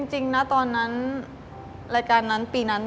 จริงนะตอนนั้นรายการนั้นปีนั้น